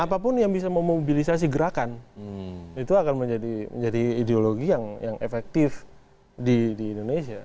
apapun yang bisa memobilisasi gerakan itu akan menjadi ideologi yang efektif di indonesia